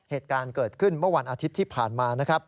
เหตุการณ์เกิดขึ้นเมื่อวันอาทิตย์ที่ผ่านมานะครับ